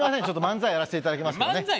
ちょっと漫才やらせていただきますからね。